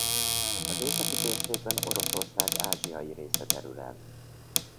Az északi térségben Oroszország ázsiai része terül el.